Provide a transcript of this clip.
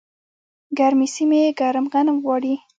ګرمې سیمې ګرم غنم غواړي.